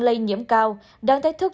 lây nhiễm cao đang thách thức